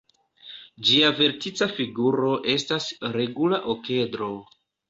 Ĝia vertica figuro estas regula okedro.